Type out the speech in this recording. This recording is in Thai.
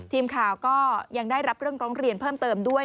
ทีมข่าวก็ยังได้รับเรื่องร้องเรียนเพิ่มเติมด้วย